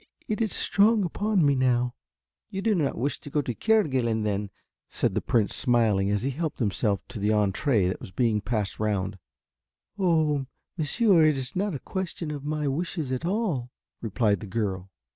It is strong upon me now." "You do not wish to go to Kerguelen then?" said the Prince smiling as he helped himself to the entrée that was being passed round. "Oh, monsieur, it is not a question of my wishes at all," replied the girl.